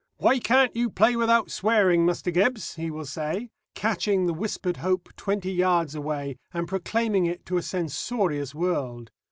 "Why can't you play without swearing, Muster Gibbs?" he will say, catching the whispered hope twenty yards away, and proclaiming it to a censorious world.